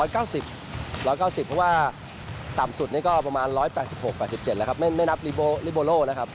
ก็ผมว่าเป็นข้อดีนะครับ